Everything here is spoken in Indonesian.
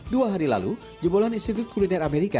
dua hari lalu jebolan institut kuliner amerika